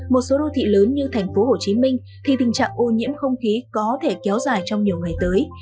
một số đô thị lớn như thành phố hồ chí minh thì tình trạng ô nhiễm không khí có thể kéo dài trong nhiều ngày tới